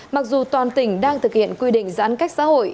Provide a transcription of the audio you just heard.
mặc dù toàn tỉnh đang thực hiện quy định giãn cách xã hội